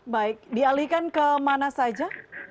baik dialihkan ke mana saja